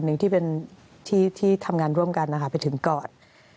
คนหนึ่งที่ทำงานร่วมกันนะค่ะไปถึงก่อน